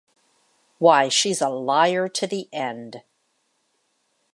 Why, she’s a liar to the end!